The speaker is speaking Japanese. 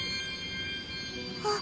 あっ！